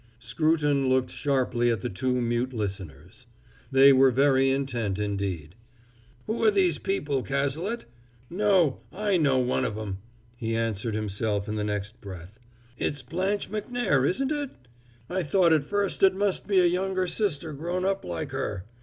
Scruton looked sharply at the two mute listeners. They were very intent, indeed. "Who are these people, Cazalet? No! I know one of 'em," he answered himself in the next breath. "It's Blanche Macnair, isn't it? I thought at first it must be a younger sister grown up like her.